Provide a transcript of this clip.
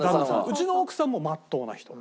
うちの奥さんもまっとうな人。